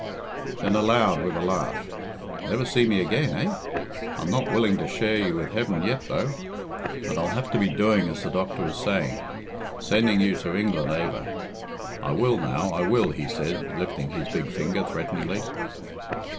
Then aloud, with a laugh, "Never see me again, eh? I'm not willing to share you with heaven yet, though. But I'll have to be doing as the doctor was saying sending you to England aver. I will now, I will," he said, lifting his big finger threateningly.